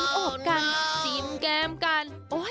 ทั้งออกกันจิ้มแกมกัน